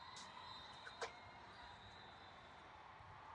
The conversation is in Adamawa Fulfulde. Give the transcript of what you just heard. Debbo goo yehi haa waandu, wiʼata naa ndaa ko waddi ɗum.